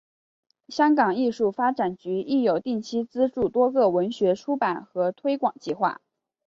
香港艺术发展局亦有定期资助多个文学出版和推广计划。